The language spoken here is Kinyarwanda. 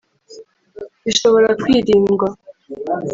bishobora kwirindwa